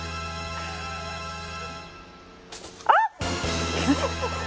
・あっ！